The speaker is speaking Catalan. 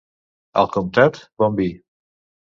Al Comtat, bon vi.